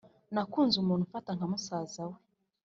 nakunze umuntu umfata nkamusaza we